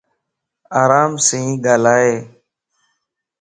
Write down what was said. آرام سين ڳالھائين